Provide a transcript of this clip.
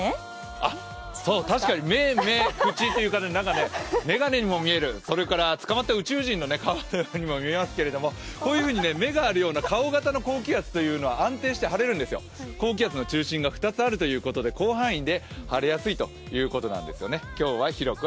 確かに目、目、口と何かね、眼鏡にも見える、それから捕まった宇宙人にも見えますがこういうふうに目があるような顔型の高気圧というのは安定して晴れるんですよ、高気圧の中心が２つあるということで、広範囲で晴れやすいということなんですよね。